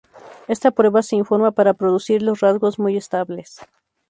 Esta prueba se informa para producir los rasgos muy estables.